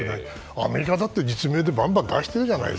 アメリカだって実名でバンバン出してるじゃない。